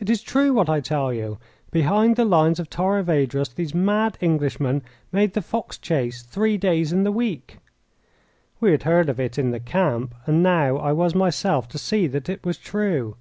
It is true what I tell you. Behind the lines of Torres Vedras these mad Englishmen made the fox chase three days in the week. We had heard of it in the camp, and now I was myself to see that it was true.